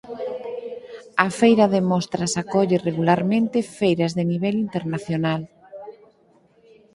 A feira de mostras acolle regularmente feiras de nivel internacional.